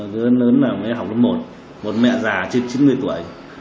lớn lớn học lớp một một mẹ già trên chín mươi tuổi